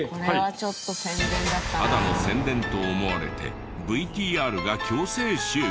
ただの宣伝と思われてＶＴＲが強制終了。